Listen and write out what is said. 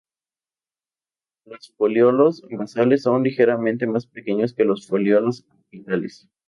Los folíolos basales son ligeramente más pequeños que los folíolos apicales.